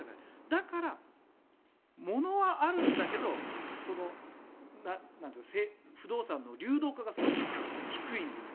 だから、ものはあるんだけど不動産の流動化がすごく低いんです。